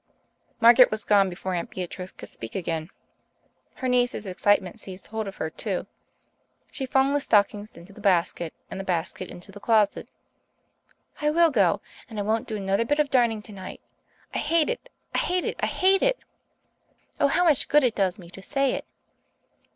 Margaret was gone before Aunt Beatrice could speak again. Her niece's excitement seized hold of her too. She flung the stockings into the basket and the basket into the closet. "I will go and I won't do another bit of darning tonight. I hate it I hate it I hate it! Oh, how much good it does me to say it!"